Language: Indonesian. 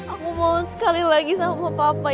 aku mohon sekali lagi sama papa